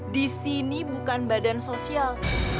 di sini bukan badan sosial